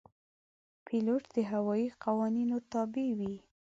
پیلوټ د هوايي قوانینو تابع وي.